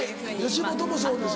吉本もそうです。